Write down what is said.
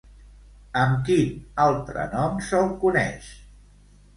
Amb quin altre nom se'l coneix?